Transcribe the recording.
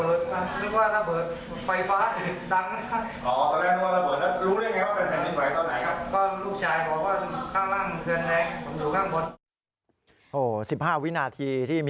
แต่ทำไมกลัวไหม